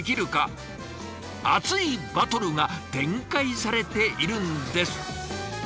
熱いバトルが展開されているんです。